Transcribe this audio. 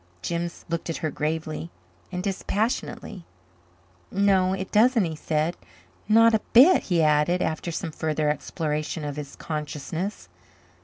Jims looked at her gravely and dispassionately. "No, it doesn't," he said. "Not a bit," he added, after some further exploration of his consciousness.